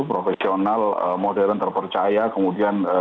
profesional modern terpercaya kemudian